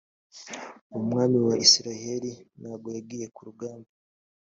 umwami wa isirayeli ntago yagiye ku rugamba